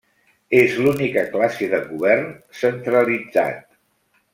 És l'única classe de govern centralitzat.